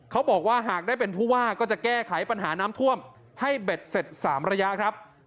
เขาบอกว่าหากได้เป็นผู้ว่าก็จะแก้ไขปัญหาน้ำท่วมให้เบ็ดเสร็จ๓ระยะครับ